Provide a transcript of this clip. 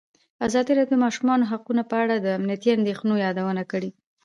ازادي راډیو د د ماشومانو حقونه په اړه د امنیتي اندېښنو یادونه کړې.